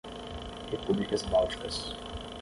Repúblicas Bálticas